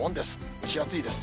蒸し暑いです。